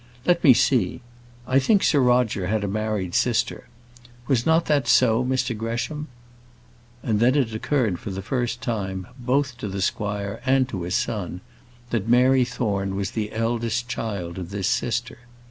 Let me see; I think Sir Roger had a married sister. Was not that so, Mr Gresham?" And then it occurred for the first time, both to the squire and to his son, that Mary Thorne was the eldest child of this sister.